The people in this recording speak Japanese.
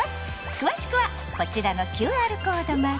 詳しくはこちらのＱＲコードまで！